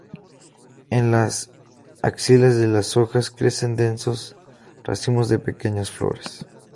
En las axilas de las hojas crecen densos racimos de pequeñas flores.